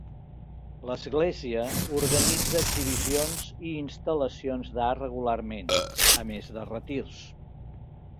L'església organitza exhibicions i instal·lacions d'art regularment, a més de retirs.